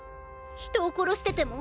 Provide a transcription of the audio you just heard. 人を殺してても？